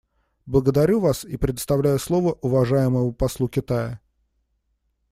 Благодарю вас и предоставляю слово уважаемому послу Китая.